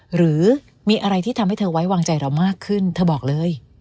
หรือมีอะไรที่ทำให้เธอไว้วางใจเรามากขึ้นเธอบอกเลย